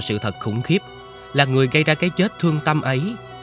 sự thật khủng khiếp là người gây ra cái chết thương tâm ấy